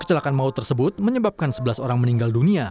kecelakaan maut tersebut menyebabkan sebelas orang meninggal dunia